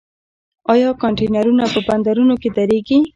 آیا کانټینرونه په بندرونو کې دریږي؟